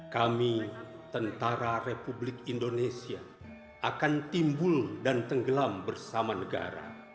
kami tentara republik indonesia akan timbul dan tenggelam bersama negara